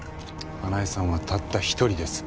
華絵さんはたった一人です。